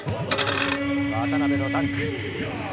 渡邊のダンク。